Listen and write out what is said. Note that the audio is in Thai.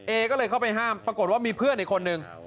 เอก็เลยเข้าไปห้ามปรากฏว่ามีเพื่อนอีกคนนึง